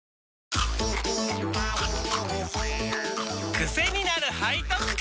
クセになる背徳感！